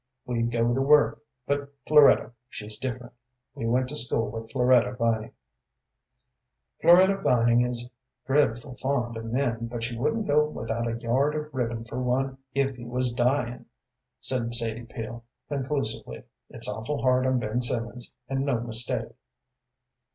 We'd go to work; but Floretta, she's different. We went to school with Floretta Vining." "Floretta Vining is dreadful fond of men, but she wouldn't go without a yard of ribbon for one if he was dying," said Sadie Peel, conclusively. "It's awful hard on Ben Simmons, and no mistake."